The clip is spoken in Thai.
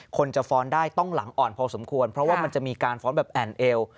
คนจะฟ้อนได้ต้องหลังอ่อนพอสมควรเพราะว่ามันจะมีการฟ้อนแบบแอ่นเอว